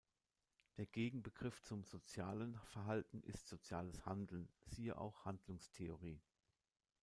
Der Gegenbegriff zum „sozialen Verhalten“ ist soziales Handeln, siehe auch Handlungstheorie.